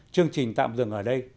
chương trình tạm dừng ở đây